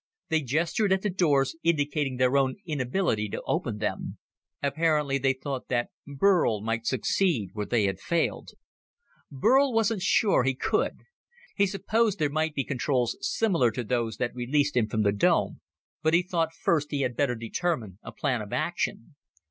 They gestured at the doors, indicating their own inability to open them. Apparently they thought that Burl might succeed where they had failed. Burl wasn't sure he could. He supposed there might be controls similar to those that released him from the dome, but he thought first he had better determine a plan of action.